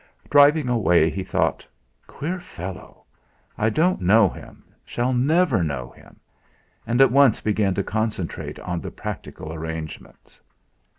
Driving away, he thought: 'Queer fellow! I don't know him, shall never know him!' and at once began to concentrate on the practical arrangements.